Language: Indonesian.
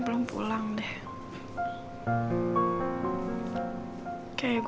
sekarang mama sendiri riki